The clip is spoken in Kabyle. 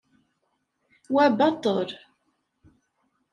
Wa baṭel.